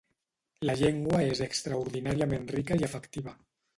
La llengua és extraordinàriament rica i afectiva.